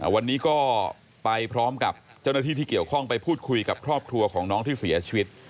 วันนี้ก็ไปพร้อมกับเจ้าหน้าที่ที่เกี่ยวข้องไปพูดคุยกับครอบครัวของน้องที่เสียชีวิต